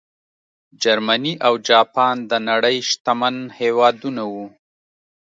جرمني او جاپان د نړۍ شتمن هېوادونه وو.